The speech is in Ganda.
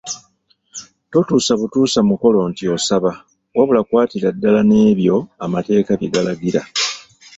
Totuusa butuusa mukolo nti osaba wabula kwatira ddala n’ebyo amateeka bye galagira.